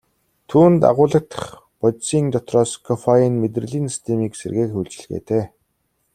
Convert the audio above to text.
Түүнд агуулагдах бодисын дотроос кофеин мэдрэлийн системийг сэргээх үйлчилгээтэй.